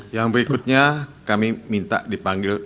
yang berikutnya kami minta dipanggil